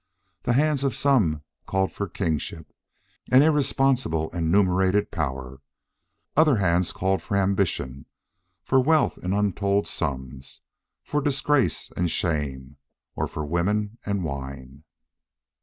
The hands of some called for kingship and irresponsible and numerated power; other hands called for ambition, for wealth in untold sums, for disgrace and shame, or for women and wine.